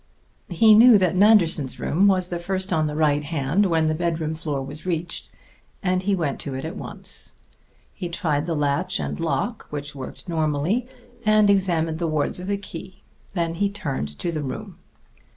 He knew that Manderson's room was the first on the right hand when the bedroom floor was reached, and he went to it at once. He tried the latch and the lock, which worked normally, and examined the wards of the key. Then he turned to the room.